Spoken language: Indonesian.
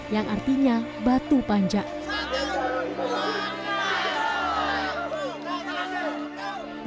yang artinya batu panjang